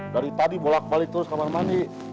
dari tadi bolak balik terus kamar mandi